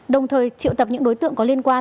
đồng thời triệu tập những đối tượng có liên quan